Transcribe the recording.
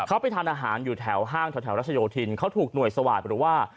เขาไปทานอาหารอยู่แถวห้างแถวรัชโยธินเขาถูกหน่วยสวาสตร์หรือว่า